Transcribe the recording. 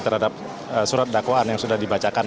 terhadap surat dakwaan yang sudah dibacakan